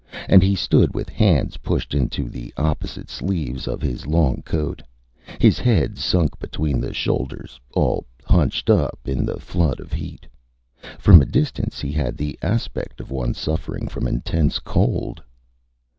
And he stood with hands pushed into the opposite sleeves of his long coat, his head sunk between the shoulders, all hunched up in the flood of heat. From a distance he had the aspect of one suffering from intense cold.